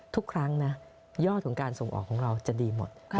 ทุกครั้งนะยอดของการส่งออกของเราจะดีหมด